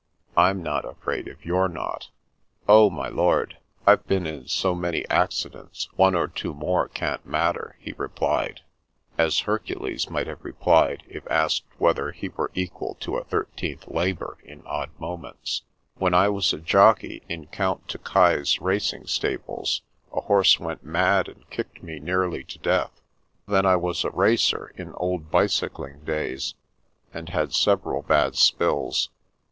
" I'm not afraid if you're not." '* Oh, my lord, I've been in so many accidents, one or two more can't matter," he replied, as Her cules might have replied if asked whether he were equal to a Thirteenth Labour in odd moments. " When I was jockey in Count Tokai's racing sta bles, a horse went mad and kicked me nearly to death. Then I was a racer in old bicycling days, and had several bad spills.